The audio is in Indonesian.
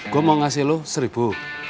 gue mau ngasih lo seribu